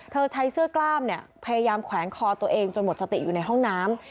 ใช้เสื้อกล้ามเนี่ยพยายามแขวนคอตัวเองจนหมดสติอยู่ในห้องน้ำ